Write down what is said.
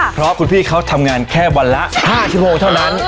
เพราะคุณพี่เขาทำงานแค่วันละ๕ชั่วโมงเท่านั้น